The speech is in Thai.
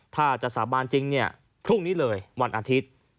ถ้าจะสาบานจริงเนี่ยพรุ่งนี้เลยวันอาทิตย์